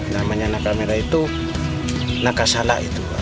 namanya nangka merah itu nangka salad itu